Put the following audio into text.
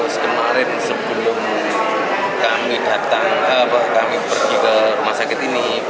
sekemarin sebelum kami datang kami pergi ke rumah sakit ini